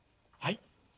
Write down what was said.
はい。